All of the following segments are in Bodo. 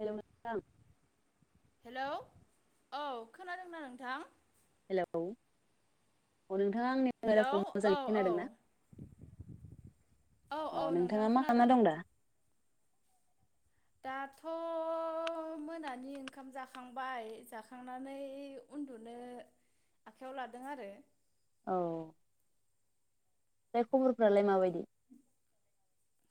हेल' नोंथां? हेलौ औ खोनादोंना नोंथां हेल' अ नोंथाङा आंनि हेलौ बेेराखौ औ मोजाङै औ खोनादोंना औ औ अ नोंथां नोंथाङा मा खोनादों खालामना दं दा? दाथ' मोनानि ओंखाम जाखांबाय जाखांनानै उन्दुनो आखाइयाव लादों आरो। औ। ओमफ्राय खबरफ्रालाय माबायदि?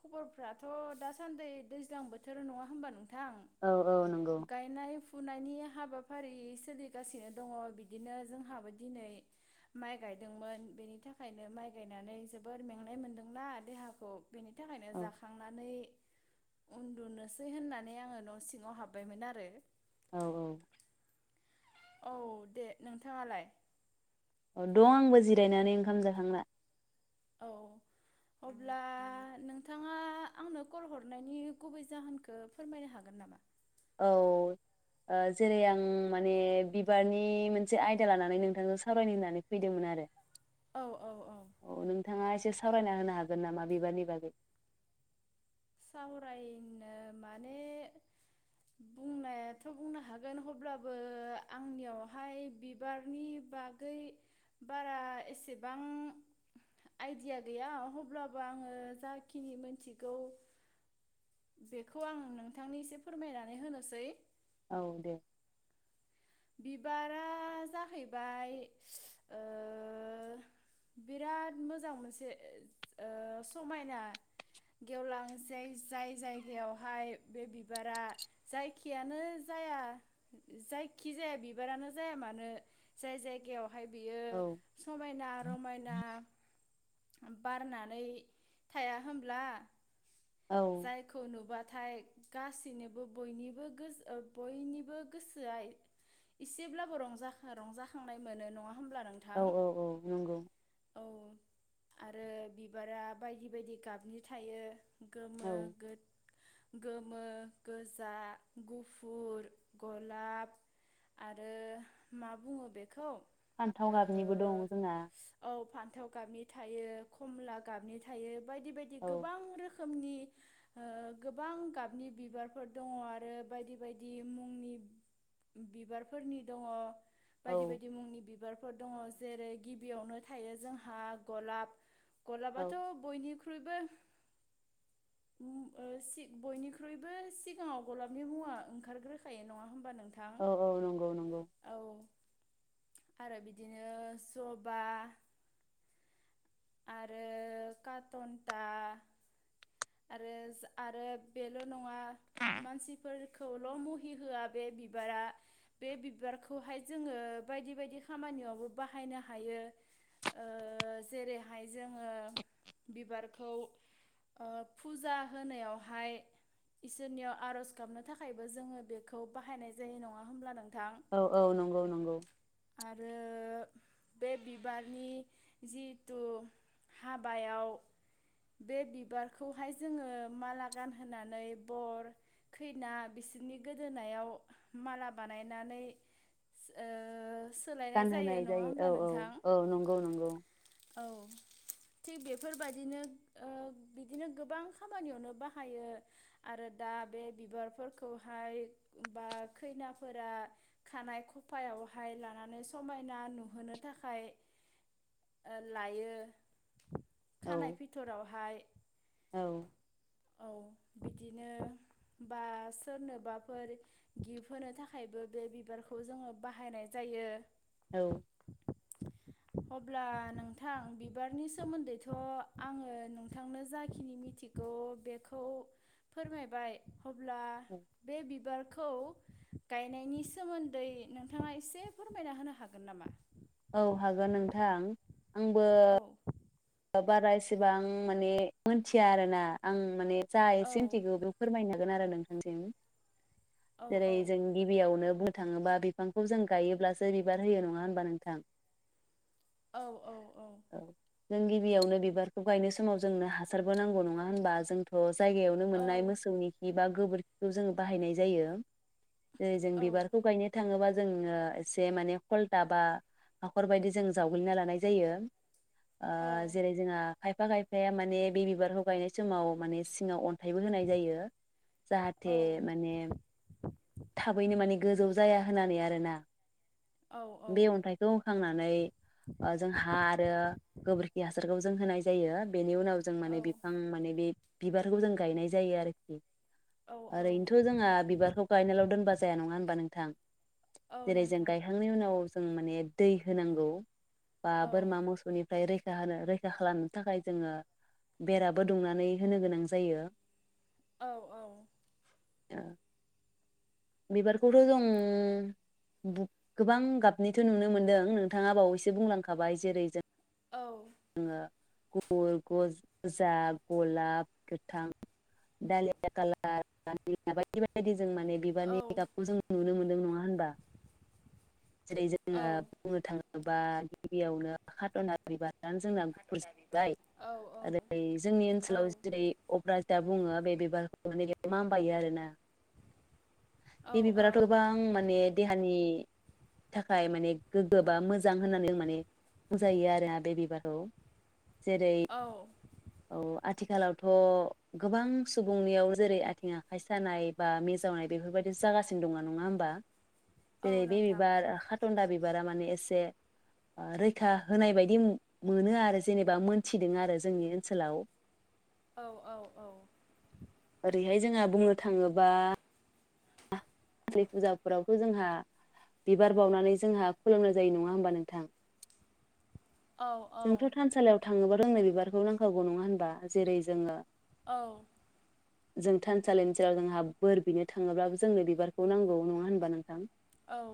खबरफ्राथ' दासान्दि दैज्लां बोथोर नङा होनोमबा नों औ औ नंगौ। फुनायनि हाबाफारि सोलिगासिनो दङ बिदिनो जोंहाबो दिनै माइ गायदोंमोन बेनि थाखायनो माइ गायनानै जोबोर मेंनाय मोनदोंना देहाखौ बिनि थाखायनो औ जाखांनानै उन्दुनोसै होननानै आङो न' सिङाव हाबबायमोन आरो। औ औ। औ दे नोंथाङालाय? औ दं आंबो जिरायनानै ओंखाम जाखांना। औ अब्ला नोंथाङा आंनो कल हरनायनि गुबै जाहोनखौ फोरमायनो हागोन नामा? औ जेरै आं माने बिबारनि मोनसे आयदा लानानै नोंथांजों सावरायनो होननानै फैदोंमोन आरो। औ औ औ। औ नोंथाङा एसे सावरायना होनो हागोन नामा बिबारनि बागै सावरायनो माने बुंनायाथ' बुंनो हागोन अब्लाबो आंनियावहाय बिबारनि बागै बारा एसेबां आइडिया गैया अब्लाबो आङो जाखिनि मोनथिगौ। बेखौ आं नोंथांनि एसे फोरमायनानै होनोसै औ दे। बिबारा जाहैबाय बिराद मोजां मोनसे समायना गेवलां जाय जायगायावहाय बे बिबारा जायखियानो जाया जाय खि जाया बिबारानो जाया मानो जाय जायगायाव ओमहाय बियो औ समायना रमायना बारनानै थाया होनोमब्ला? औ जाय खुनबा थाइ गासिनोबो बयनिबो गोसो बयनिबो गोसोआ एसेब्लाबो रंज रंजाखांनाय मोनो नङा होनब्ला नोंथां औ औ औ नंगौ औ आरो बिबारा बायदि बायदि गाबनि थायो। औ गोमो गो गोमो, गोजा, गुफुर, गलाब आरो मा बुङो बेखौ फान्थाव ओ गाबनिबो दं जोंना औ फान्थाव गाबनि थायो खमला गाबनि थायो। बायदि बायदि औ गोबां रोखोम रोखोमनि ओ गोबां गाबनि बिबारफोर दङ आरो बायदि बायदि मुंनि बिबारफोरनि दङ। बायदि औ बायदि मुंनि बिबारफोर दङ। जेरै गिबियावनो थायो जोंहा गलाब औ गलाबाथ' बयनिख्रइ बयनिख्रुइबो ओ सि बयनिख्रुइबो सिगाङाव गलाबनि मुंआ ओंखारग्रोखायो नङा होमबा नोंथां। औ औ नंगौ नंगौ औ आरो बिदिनो जबा आरो काटनन्टा आरो आरो बेल' नङा मानसिफोरखौल' मुहि होआ बे बिबारा बे बिबारखौहाय जोङो बायदि बायदि खामानियावबो बाहायनो हायो ओ जेरैहाय जोङो बिबारखौ ओ फुजा होनायावहाय इसोरनियाव आरज गाबनो थाखायबो जोङो बेखौ बाहायनाय जायो नङा होमब्ला नों औ औ नंगौ नंगौ। आरो बे बिबारनि जिथु हाबायाव बे बिबार खौहाय जोङो माला गानहोनानै बर खैना बिसोरनि गोदोनायाव माला बानायनानै ओ सोलायनाय गानहोनाय नङा जायो होमब्ला औ नोंथां? औ औ नंगौ नंगौ। औ थिग बेफोरबायदिनो ओ बिदिनो गोबां खामानियावनो बाहायो आरो दा बे बिबारफोरखौहाय बा खैनाफोरा खानाय खफायावहाय लानानै समायना नुहोनो थाखाय लायो। औ खानाय फिथरावहाय औ औ बिदिनो बा सोरनोबाफोर गिफ्ट होनो थाखायबो बे बिबारखौ जोङो बाहायनाय जायो। औ अब्ला नोंथां बिबारनि सोमोन्दैथ' आङो नोंथांनो जाखिनि मिथिगौ बेखौ फोरमायबाय अब्ला बे बिबारखौ गायनायनि सोमोन्दै नोंथाङा एसे फोरमायना होनो हागोन नामा? थां आंबो औ बारा एसेबां माने मोनथिया आरो ना आं माने औ जायसो मिथिगौ बेखौ फोरमायनो हागोन आरो नोंथांनिसिम औ जेरै औ जों गिबियावनो बुंनो थाङोबा बिफांखौ जों गायोब्लासो बिबार होयो नङा होनबा नोंथां औ औ औ जों गिबियावनो बिबारखौ गायनाय समाव जोंनो हासारबो नांगौ नङा होनबा जोंथ' जायगायावनो औ मोननाय मोसौनि खि बा गोबोरखिखौ जों बाहायनाय जायो जेरै जों औ बिबारखौ गायनो थाङोबा जों ओ एसे माने ख'लता बा हाख'र बायदि जों जावग्लिना लानाय जायो ओ जेरै जोंहा खायफा खायफाया माने बे बिबारखौ गायनाय सोमाव माने सिङाव अन थायबो होनाय जायो औ जाहाथे माने थाबैनो माने गोजौ जाया होननानै आरोना औ बे अन्थाइखौ होखांनानै ओ जों हा आरो गोबोरखि हासारखौ जों होनाय जायो बेनि उनाव जों माने बिफां माने बे बिबारखौ जों गायनाय जायो आरोखि औ औ ओरैनोथ' जोंहा बिबारखौ गायनाल' दोनबा जाया नङा होन बा नोंथां औ जेरै जों नोंथां गायखांनाय उनाव जों माने दै होनांगौ बा औ बोरमा मोसौनि फ्राय रैखा होनो रैखा खालामनो थाखाय जोङो बेराबो दुंनानै होनो गोनां जायो औ औ औ बिबारखौथ' जों बुब गोबां गाबनिथ' नुनो मोनदों नोंथाङा बावैसो बुंलांखाबाय जेरै जों औ आ [unintelligible] गोजा गलाब गोथां दालिया खालार बा बायदि बायदि जों माने बायदि औ गाबखौ जों नुनो मोनो नङा होनबा जेरै औ जोंना बुंनो थाङो बा गिबियावनो खाटना [unintelligible] [unintelligible] जोंना औ [unintelligible] जोंनि ओनसोलाव जेरै दा बुङो बे बिबारखौ माने मामबायो आरोना। औ बे बिबाराथ औ गोबां माने देहानि थाखाय माने गोग्गो बा मोजां होननानै माने बुंजायो आरो आ बे बिबारखौ। जेरै औ औ आथिखालावथ' गोबां सुबुंनियाव जेरै आथिं आखाइ सानाय बा मिजावनाय बेफोरबायदि जागासिनो दङ नङा होमबा। औ जेरै बे नोंथां बिबार खाटन्दा बिबारा माने एसे रैखा होनाय बायदि मोनो आरो जेनेबा मोनथिदों आरो जोंनि ओनसोलाव। औ औ औ ओरैहाय जोंहा बुंनो थाङोबा [unintelligible] फुजाफोरावबो जोंहा बिबार बावनानै जोंहा खुलुमनाय जायो नङा होमबा नोंथां? औ जोंथ' थानसालियाव थाङोबा जोंनो बिबारखौ नांखागौ नङा होनबा जेरै जोङो औ जों थानसालिनि जेराव जोंहा बोर बिनो थाङोब्लाबो जोंनो बिबार खौ नांगौ नङा होनबा नोंथां? औ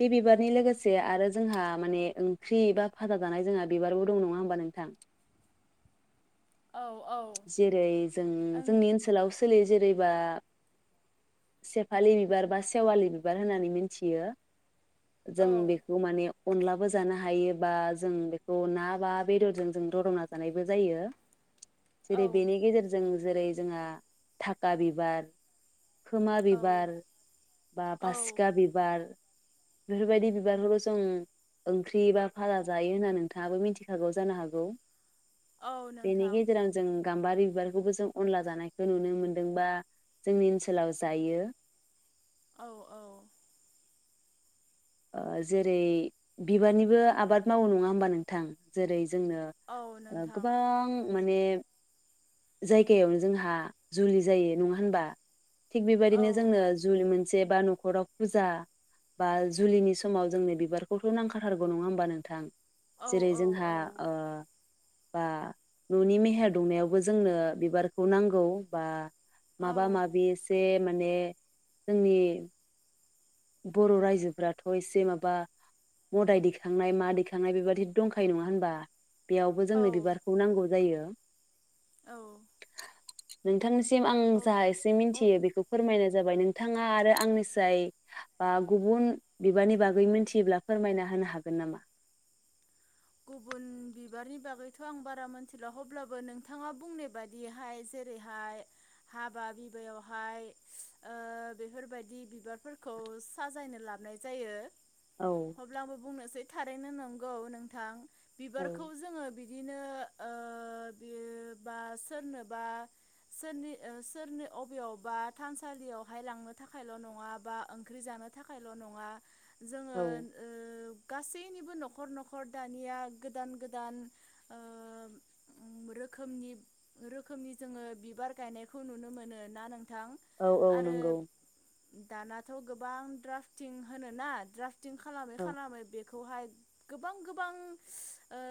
बे बिबारनि लोगोसे आरो जोंहा माने ओंख्रि एबा भाजा जानाय जोंहा बिबारबो दं नङा होमबा नोंथां? औ औ जेरै जों जोंनि ओनसोलाव स सोलियो जेरैबा सेफालि बिबार बा सेवालि बिबार होननानै मोनथियो। जों ओं औ बेखौ माने अनलाबो जानो हायो बा जों बेखौ ना बा बेदरजों जों ददंना जानायबो जायो। जेरै बेनि गेजेरजों जेरै जोंहा धाखा बिबार खोमा औ बिबार बा औ बासिखा बिबार बेफोरबायदि बिबारफोरखौ जों ओंख्रि बा भाजा जायो होनना नोंथाङाबो मिथिखागौ जानो हागौ? औ बेनि नोंथां। गेजेराव जों गाम्बारि बिबारखौबो जों अनला जानायखौ नुनो मोन्दोंबा जोंनि ओनसोलाव जायो। औ औ ओ जेरै बिबारनिबो आबाद मावो नङा होमबा नोंथां जेरै जोंनो औ ओ नोंथां गोबां माने जायगायावनो जोंहा जुलि जायो नङा होनबा? थिग औ बेबायदिनो जोंनो जुुलि मोन जेबा न'खराव फुजा बा जुलिनि समाव जोंनो बिबारखौथ नांखाथारगौ नङा होमबा नोंथां? औ जेरै औ जोंहा ओ बा न'नि मेहेर दुंनायावबो जोंनो बिबारखौ नांगौ बा औ माबा माबि सेब माने जोंनि बर' रायजोफ्राथ' एसे माबा मदाय दैखांनाय मा दैखांनाय बेबादि दंखायो नङा होनबा? बेयावबो जोंनो बिबारखौ नांगौ जायो। [inaudible] औ। नोंथांनिसिम आं जा हब एसे हब मिन्थियो बेखौ फोरमायनो जाबाय नोंथाङा आरो आंनिसाय बा गुबुन बिबारनि बागै मोन्थियोब्ला फोरमायना होनो हागोन नामा? गुबुन बिबारनि बागैथ' आं बारा मोन्थिला अब्लाबो नोंथाङा बुंनाय बादिहाय जेरैहाय हाबा बिबायावहाय ओ बेफोरबायदि बिबारफोरखौ साजायनो लाबोनाय जायो। औ अब्लाबो बुंनोसै थारैनो नंगौ नों थां। औ बिबारखौ जोङो बि दिनो ओ बि बा सोरनोबा सोरनि ओ सोरनो अबेयावबा थानसालियावहाय लांनो थाखायल' नङा बा ओंख्रि जानो थाखायल' नङा जोङो औ ओ गासैनिबो न'खर न'खर खर दानिया गोदान गोदान ओ रोखोमनि रोखोमनि जोङो बिबार गायनायखौ नुनो मोनो ना नों थां औ औ आरो नंगौ दानाथ' गोबां द्राफटिं होनोना द्राफ टिं खालामै औ खालामै बे बेखौहाय गोबां गोबां ओ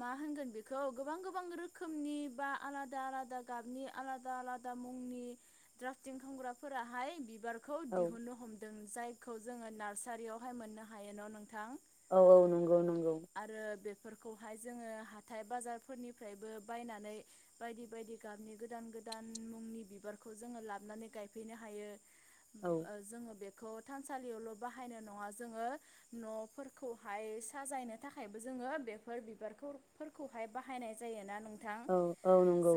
मा होनगोन बेखौ गोबां गोबां रोखोमनि बा आलादा आलादा गाबनि आलादा आलादा मुंनि द्राफतिं खालामग्राफोरा हाय बिबा खौ औ दिहुन्नो हमदों। जायखौ जोङो नार्सारियावहाय मोननो हायो न' नों औ औ नंगौ नंगौ। फोरखौहाय जोङो हाथाइ बाजारफोरनिफ्रायबो बायनानै बायदि बायदि गाबनि गोदान गोदान मुंनि बिबारखौ जोङो लाबोनानै गायफैनो हायो। औ ओ जोङो बेफो खौ थानसालियावल' बाहायनो नङा जोङो न'फोरखौहाय साजायनो थाखायबो जोङो बेफोर बिबारफोरखौहाय बाहायनाय जायोना नों औ औ नंगौ।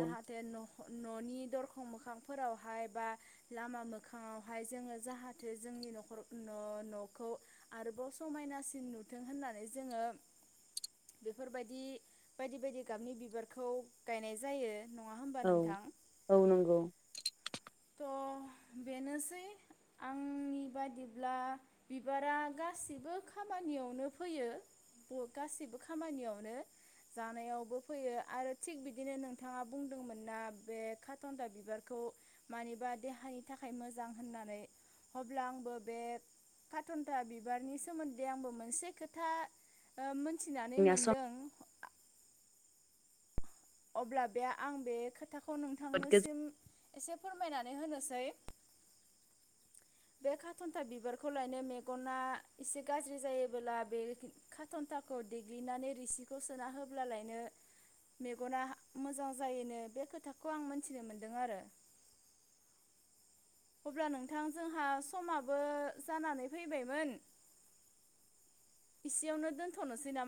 न'नि दरखं मोखांफोरावहाय बा लामा मोखाङावहाय जोङो जाहाथे जोंनि न'खर न'-न'खौ आरोबाव समायनासिन नुथों होननानै जोङो बेफोरबायदि बायदि बायदि गाबनि बिबारखौ गायनाय जायो। नङा होमबा औ नोंथां औ नंगौ। थ' बेनोसै आंनि बायिब्ला बिबारा गासिबो खामानियावनो फैयो ब' गासैबो खामानियावनो जानायावबो फैयो आरो थिग बिदिनो नोंथाङा बुंदोंमोन ना बे काथनथा बिबारखौ मानिबा देहानि थाखाय मोजां होननानै अब्ला आंबो बे काथनथा बि बिबारनि सोमोन्दै आंबो मोनसे खोथा ओ मोन मिथिनानै जोंनिया सम मोनदों। अब्ला बे आं बे खो थाखौ जोबोद गोजोन नोंथांनोसिम एसे फोरमायनानै होनोसै बे खाथन्था बिबारखौ लायनो मेगना एसे गाज्रि जायोबोला बे खाथ'न्थाखौ देग्लिनानै रिसिखौ सोना होब्लालायनो मे गना मोजां जायो नों बे खोथाखौ आं मिथिना मोनदों आरो। अब्ला नोंथां जोंहा समाबो जानानै फैबायमोन इसेयावनो दोन्थ'नोसै नामा?